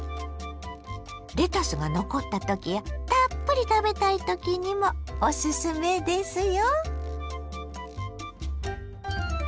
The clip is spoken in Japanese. レタスが残ったときやたっぷり食べたいときにもおすすめですよ。